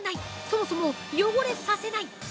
そもそも汚れさせない！